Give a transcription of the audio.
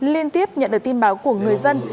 liên tiếp nhận được tin báo của người dân